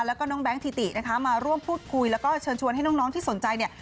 แล้วก็น้องแบงคิตินะคะมาร่วมพูดคุยแล้วก็เชิญชวนให้น้องที่สนใจเนี่ย